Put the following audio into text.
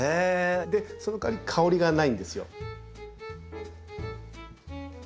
そのかわり香りがないんですよ。